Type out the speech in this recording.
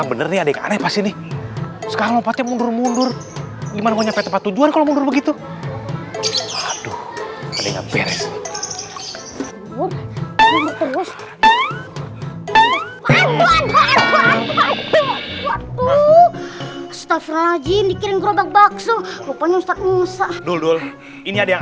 ngangkat tangannya cepet kali tahu dong prinses gitulah